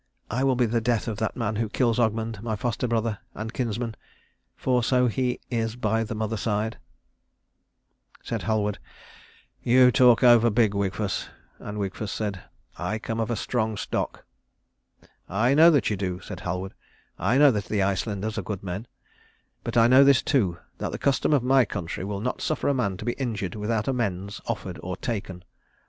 I will be the death of that man who kills Ogmund, my foster brother, and kinsman for so he is by the mother side." Said Halward, "You talk over big, Wigfus," and Wigfus said, "I come of a strong stock." "I know that you do," said Halward; "I know that the Icelanders are good men. But I know this too, that the custom of my country will not suffer a man to be injured without amends offered or taken.